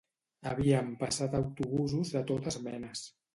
Havien passat autobusos de totes menes.